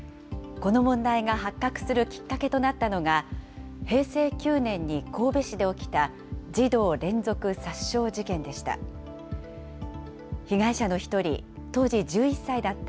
この問題が発覚するきっかけとなったのが、平成９年に、神戸市で起きた児童連続殺傷事件でした。